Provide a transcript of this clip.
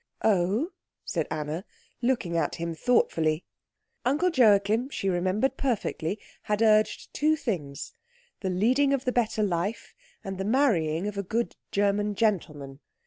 "Oh?" said Anna, looking at him thoughtfully. Uncle Joachim, she remembered perfectly, had urged two things the leading of the better life, and the marrying of a good German gentleman.